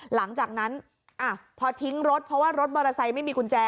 หลังจากนั้นพอทิ้งรถเพราะว่ารถมอเตอร์ไซค์ไม่มีกุญแจ